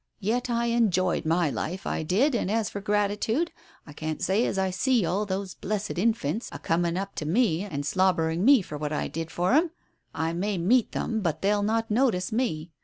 Yet I enjoyed my life, I did, and as for gratitude, I can't say as I see all those blessed infants a coming up to me, and slobbering me for what I did for 'em. I may meet them, but they'll not notice me.